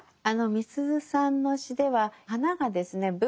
あのみすゞさんの詩では花がですね